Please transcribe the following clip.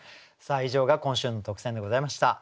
以上が今週の特選でございました。